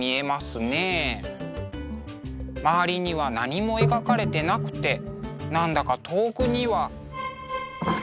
周りには何も描かれてなくて何だか遠くには。